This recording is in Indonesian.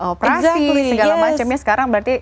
operasi segala macamnya sekarang berarti